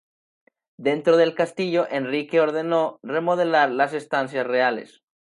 Dentro del castillo Enrique ordenó remodelar las estancias reales.